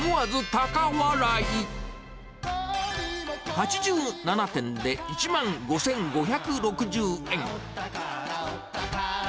８７点で１万５５６０円となります。